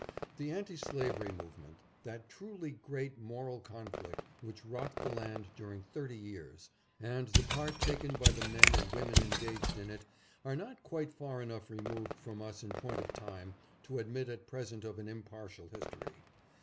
The anti slavery movement, that truly great moral conflict which rocked the land during thirty years, and the part taken by the men and women engaged in it, are not quite far enough removed from us in point of time to admit at present of an impartial history.